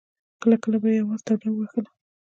کله کله به يوه آس ټوډه ووهله.